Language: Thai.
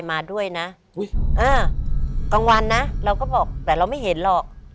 อ่ากลางวันนะเราก็บอกแต่เราไม่เห็นหรอก